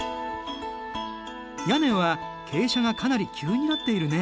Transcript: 屋根は傾斜がかなり急になっているね。